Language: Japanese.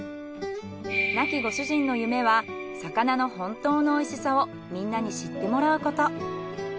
亡きご主人の夢は魚の本当の美味しさをみんなに知ってもらうこと。